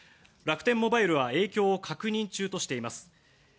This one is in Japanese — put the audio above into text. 楽天モバイルは影響を確認中としています。